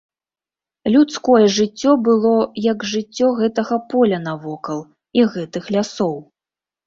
Людское жыццё было, як жыццё гэтага поля навокал і гэтых лясоў.